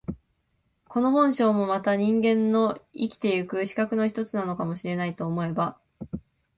この本性もまた人間の生きて行く資格の一つなのかも知れないと思えば、